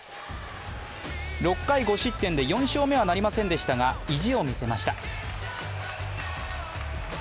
６回５失点で、４勝目はなりませんでしたが、意地を見せました。